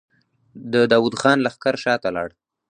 د داوود خان لښکر شاته لاړ.